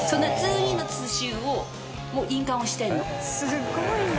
すごいな。